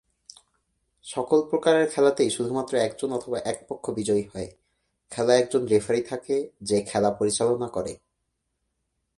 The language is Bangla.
সকল প্রকারের খেলাতেই শুধুমাত্র একজন অথবা এক পক্ষ বিজয়ী হয়। খেলায় একজন রেফারী থাকে যে খেলা পরিচালনা করে।